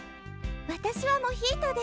私はモヒートで。